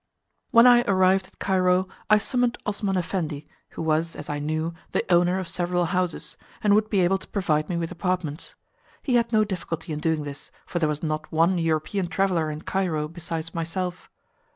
When I arrived at Cairo I summoned Osman Effendi, who was, as I knew, the owner of several houses, and would be able to provide me with apartments. He had no difficulty in doing this, for there was not one European traveller in Cairo besides myself.